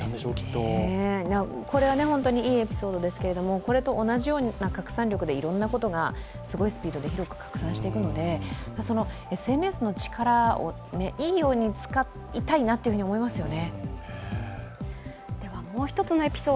これは本当にいいエピソードですけども、これと同じような拡散力でいろんなことがすごいスピードで広く拡散していくのでＳＮＳの力をいいように使いたいなと思いますよね。